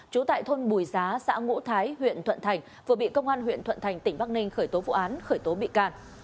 trú tại thôn bùi giá xã ngũ thái huyện thuận thành vừa bị công an huyện thuận thành tỉnh bắc ninh khởi tố vụ án khởi tố bị can